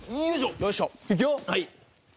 よいしょっ！いくよ。